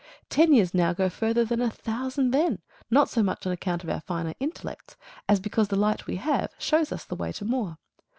Ten years now go further than a thousand then, not so much on account of our finer intellects as because the light we have shows us the way to more.